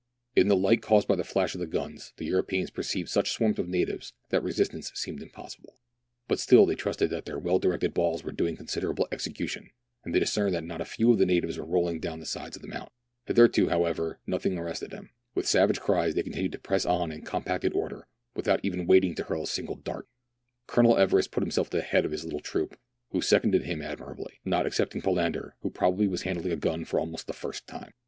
In the light caused by the flash of the guns, the Europeans perceived such swarms of natives that resistance seemed impossible. But still they trusted that their well directed balls were doing considerable execution, and they discerned that not a few of the natives were rolling down the sides of the mountam. Hitherto, however, no thing arrested them : with savage cries they continued to press on in compacted order, without even waiting to hurl a single dart. Colonel Everest put himself at the head of his little troop, who seconded him admirably, not excepting Palander, who probably was handling a gun for almost the first time.